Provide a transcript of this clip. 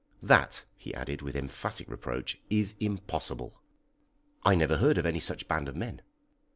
That," he added, with emphatic reproach, "is impossible." "I never heard of any such band of men."